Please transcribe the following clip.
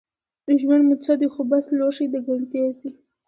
ژوند مو څه دی خو بس لوښی د ګنډېر دی